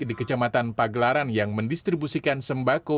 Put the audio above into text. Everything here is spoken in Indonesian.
di kecamatan pagelaran yang mendistribusikan sembako